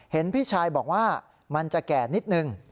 เห็นพี่ชายบอกว่ามันจะแก่นิดนึง